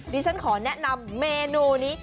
ดิฉันขอแนะนำเมนูนี้